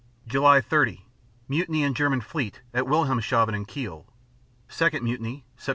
July 30 Mutiny in German fleet at Wilhelmshaven and Kiel. Second mutiny Sept.